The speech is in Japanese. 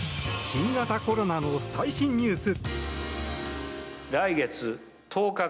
新型コロナの最新ニュース。